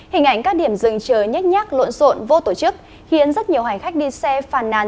hình ảnh các điểm rừng chờ nhét nhát lộn rộn vô tổ chức khiến rất nhiều hành khách đi xe phàn nàn